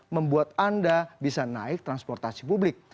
membuat anda bisa naik transportasi publik